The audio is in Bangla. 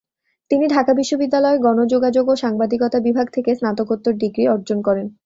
তিনি ঢাকা বিশ্ববিদ্যালয়ের গণযোগাযোগ ও সাংবাদিকতা বিভাগ থেকে স্নাতকোত্তর ডিগ্রি অর্জন করেন।